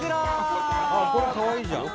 これかわいいじゃん。